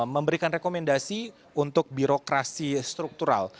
memberikan rekomendasi untuk birokrasi struktural